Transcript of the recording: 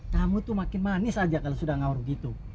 tamu tuh makin manis aja kalau sudah ngawur gitu